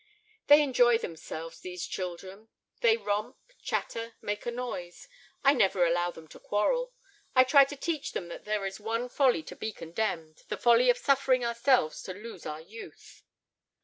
"They enjoy themselves, these children; they romp, chatter, make a noise; I never allow them to quarrel. I try to teach them that there is one folly to be condemned, the folly of suffering ourselves to lose our youth."